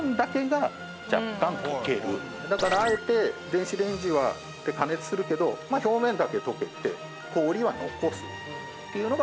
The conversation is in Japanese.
だからあえて電子レンジで加熱するけど表面だけ溶けて氷は残すっていうのが今回の特徴。